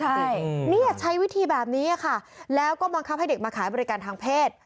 ใช่เนี่ยใช้วิธีแบบนี้ค่ะแล้วก็บังคับให้เด็กมาขายบริการทางเพศ